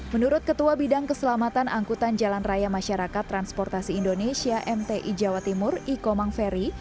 menurut ketua bidang keselamatan angkutan jalan raya masyarakat transportasi indonesia mti jawa timur iko mangferi